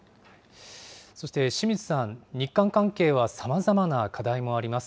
そして清水さん、日韓関係はさまざまな課題もあります。